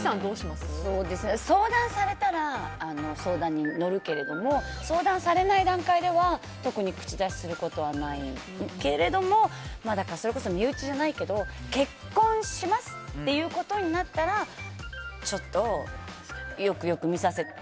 相談されたら相談に乗るけれども相談されない段階では特に口出しすることはないけれどもそれこそ身内じゃないけど結婚しますっていうことになったらちょっとよくよく見させて。